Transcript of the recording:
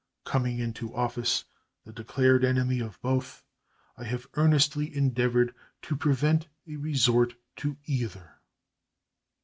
Coming into office the declared enemy of both, I have earnestly endeavored to prevent a resort to either.